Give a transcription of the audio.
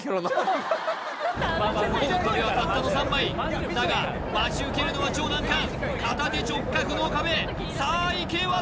残りの壁はたったの３枚だが待ち受けるのは超難関片手直角脳かべさあ